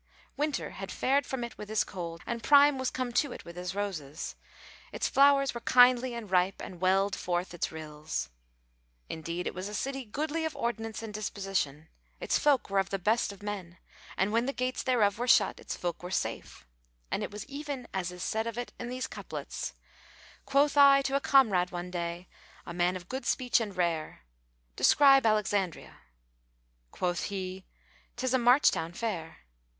Winter had fared from it with his cold and Prime was come to it with his roses: its flowers were kindly ripe and welled forth its rills. Indeed, it was a city goodly of ordinance and disposition; its folk were of the best of men, and when the gates thereof were shut, its folk were safe.[FN#443] And it was even as is said of it in these couplets, "Quoth I to a comrade one day, * A man of good speech and rare, 'Describe Alexandria.' * Quoth he, 'Tis a march town fair.'